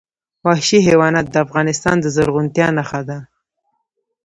وحشي حیوانات د افغانستان د زرغونتیا نښه ده.